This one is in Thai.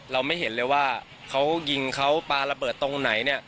เราไม่เห็นเลยว่าเขายิงเขาปลาระเบิดตรงไหนเนี่ย